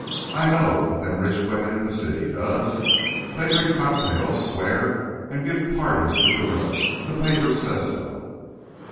I know what them rich women in the city does. They drink cocktails and swear and give parties to gorillas. The papers say so."